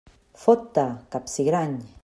Fot-te, capsigrany!